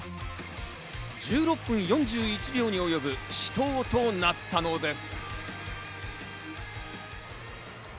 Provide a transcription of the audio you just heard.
１６分４１秒に及ぶ死闘となったのです。